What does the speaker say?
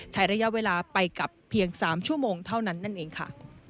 ใช้ระยะเวลาไปกับเพียง๓ชั่วโมงเท่านั้นนั่นเองค่ะ